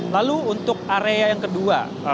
lalu untuk area yang kedua